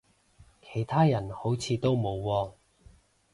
其他人好似都冇喎